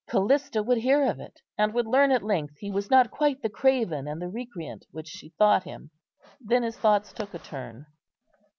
Callista would hear of it, and would learn at length he was not quite the craven and the recreant which she thought him. Then his thoughts took a turn.